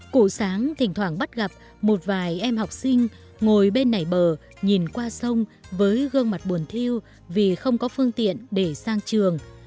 cụ sáng thỉnh thoảng bắt gặp một vài em học sinh ngồi bên nảy bờ nhìn qua sông với gương mặt buồn theo vì không có phương tiện để sang trường